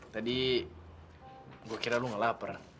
tadi gue kira lu gak lapar